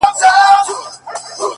قربانو مخه دي ښه ـ